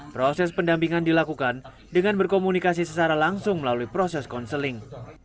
proses pendampingan dilakukan dengan berkomunikasi secara langsung melalui proses konseling